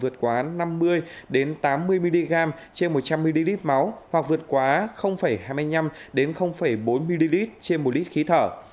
vượt quá năm mươi tám mươi mg trên một trăm linh ml máu hoặc vượt quá hai mươi năm bốn ml trên một lít khí thở